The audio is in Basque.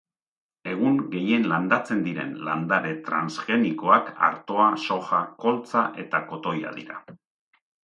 Egun, gehien landatzen diren landare transgenikoak artoa, soja, koltza eta kotoia dira.